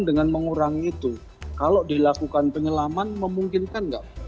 dan mengurangi itu kalau dilakukan penyelaman memungkinkan tidak